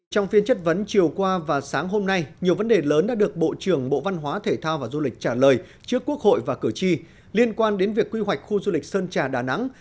trong phiên chất vấn chiều qua và sáng hôm nay nhiều vấn đề lớn đã được bộ trưởng bộ văn hóa thể thao và du lịch trả lời trước quốc hội và cử tri liên quan đến việc quy hoạch khu du lịch sơn trà đà nẵng